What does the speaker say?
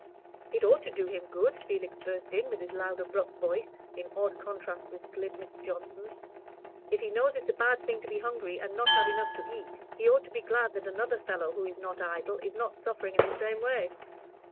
"It ought to do him good," Felix burst in, with his loud, abrupt voice, in odd contrast with glib Mr. Johnson's. "If he knows it's a bad thing to be hungry and not have enough to eat, he ought to be glad that another fellow, who is not idle, is not suffering in the same way."